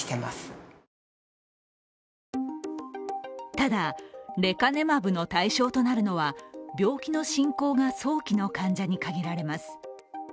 ただ、レカネマブの対象となるのは病気の進行が早期の患者に限られます。